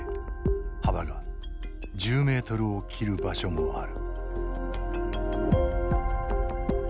幅が１０ｍを切る場所もある。